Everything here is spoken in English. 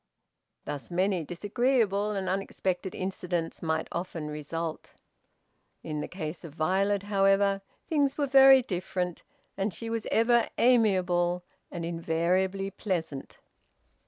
Thus many disagreeable and unexpected incidents might often result. In the case of Violet, however, things were very different, and she was ever amiable and invariably pleasant.